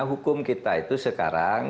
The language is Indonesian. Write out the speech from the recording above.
hukum kita itu sekarang